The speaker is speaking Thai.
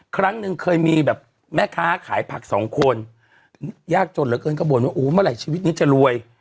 ครั้งหนึ่งเคยมีแบบแม่ค้าขายผักสองคนยากจนเหลือเกินก็บ่นว่าโอ้เมื่อไหร่ชีวิตนี้จะรวย